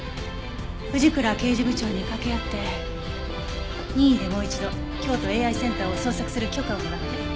藤倉刑事部長にかけ合って任意でもう一度京都ＡＩセンターを捜索する許可をもらって。